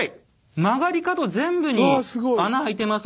曲がり角全部に穴あいてます